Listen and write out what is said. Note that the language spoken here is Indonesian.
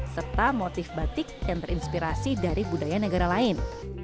serta motif batik yang terinspirasi dari budaya negara lain